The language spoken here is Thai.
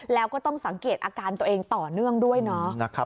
แล้วก็ต้องสังเกตอาการตัวเองต่อเนื่องด้วยเนาะ